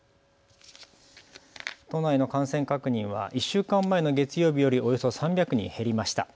都内の感染確認は１週間前の月曜日よりおよそ３００人減りました。